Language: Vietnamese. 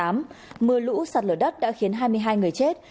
mưa lũ sạt lở đất đã khiến hai mươi hai người chết